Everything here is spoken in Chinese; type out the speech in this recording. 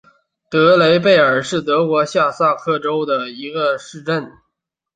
德雷贝尔是德国下萨克森州的一个市镇。